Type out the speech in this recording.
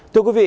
thưa quý vị